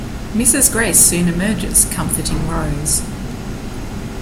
Mrs. Grace soon emerges, comforting Rose.